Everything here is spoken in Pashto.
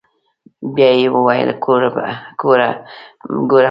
بيا يې وويل ګوره ملګريه.